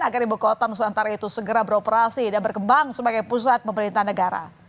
agar ibu kota nusantara itu segera beroperasi dan berkembang sebagai pusat pemerintahan negara